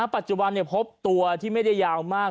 ปัจจุบันพบตัวที่ไม่ได้ยาวมาก